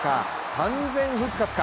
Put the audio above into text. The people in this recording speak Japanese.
完全復活か。